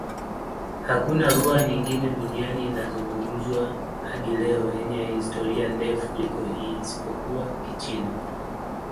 Hakuna lugha nyingine duniani inayozungumzwa hadi leo yenye historia ndefu kuliko hii, isipokuwa Kichina.